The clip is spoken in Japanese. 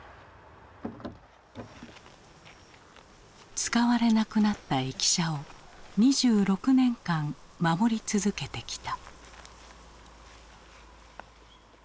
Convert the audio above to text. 使われなくなった駅舎を２６年間守り続けてきた。